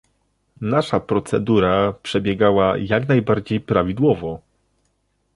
Nasza procedura przebiegała jak najbardziej prawidłowo